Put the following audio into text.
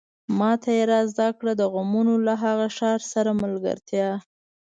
ماته يې را زده کړه د غمونو له هغه ښار سره ملګرتيا